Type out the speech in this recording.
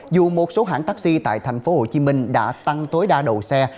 dù một số hãng taxi tại tp hcm đã tăng tối đa đầu xe